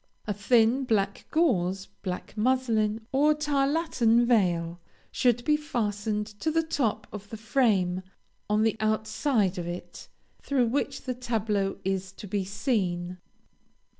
A thin, black gauze, black muslin, or tarlatan veil, should be fastened to the top of the frame, on the outside of it, through which the tableau is to be seen.